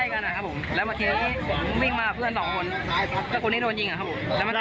ก็คือยืนตรงนี้แล้วผู้ชมถูกตกไป